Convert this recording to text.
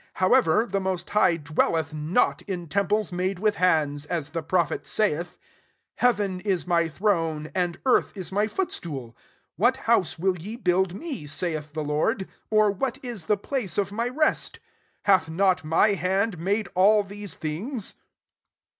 48 How ever, the Most High dwelleth not in temfilea made with hands; as the prophet saith, 49 ' Hea ven M my throne, and earth m my footstool: what house will ye build me ? saith the Lord : or what ib the place of my rest ? 50 hath not my hand made all these things